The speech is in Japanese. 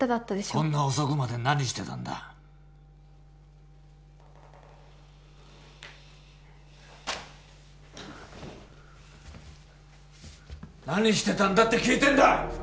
こんな遅くまで何してたんだ何してたんだって聞いてんだ！